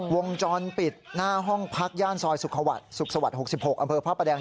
วงจรปิดหน้าห้องพักย่านซอยสุขสวรรค์สุขสวัสดิ์๖๖อำเภอพระประแดง